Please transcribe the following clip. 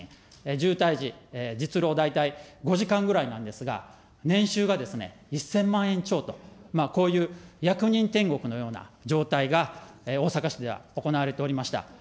渋滞時、実労大体５時間ぐらいなんですが、年収がですね、１０００万円超と、こういう役人天国のような状態が大阪市では行われておりました。